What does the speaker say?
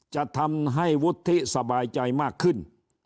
จะทำให้วุฒิสบายใจมากขึ้น